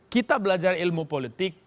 kita belajar ilmu politik